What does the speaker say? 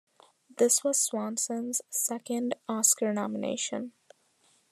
This was Swanson's second Oscar nomination.